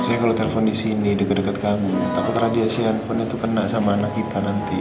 saya kalo telfon disini deket deket kamu takut radiasi handphonenya tuh kena sama anak kita nanti